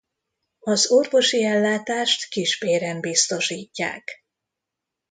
Az orvosi ellátást Kisbéren biztosítják.